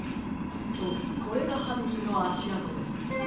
そうこれがはんにんのあしあとです。